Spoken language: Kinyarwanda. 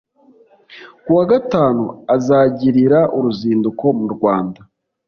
ku wa Gatanu azagirira uruzinduko mu Rwanda